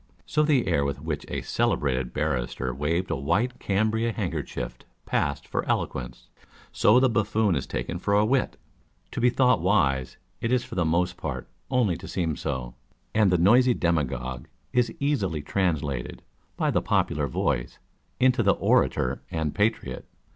So the air with which a celebrated barrister waved a white cambric handkerchief passed for eloquence. So the buffoon is taken for a wit. To be thought wise, it is for the most part only to seem so ; and the noisy demagogue T f 274 On the Qualifications Necessary is easily translated, by tlic popular voice, into the orator and patriot.